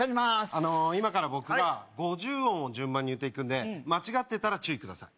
あの今から僕が５０音を順番に言っていくんで間違ってたら注意ください